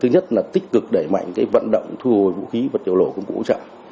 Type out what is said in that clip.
thứ nhất là tích cực đẩy mạnh vận động thu hồi vũ khí và tiểu lộ công cụ trọng